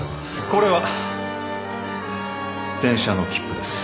これは電車の切符です。